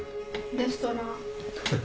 レストラン。